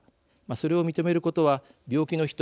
それを認めることは病気の人